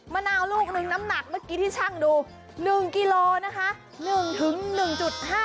มะนาวลูกหนึ่งน้ำหนักเมื่อกี้ที่ช่างดู๑กิโลนะคะ